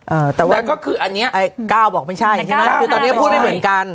อ่าแต่ว่าแล้วก็คืออันเนี้ยไอ้ก้าวบอกมันใช่ใช่ไหมตอนนี้ก็พูดได้เหมือนกัน